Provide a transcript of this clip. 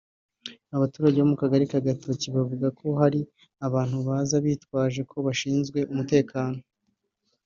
Abaturage bo mu kagari ka Gatoki baravuga ko hari abantu baza bitwaje ko bashinzwe umutekano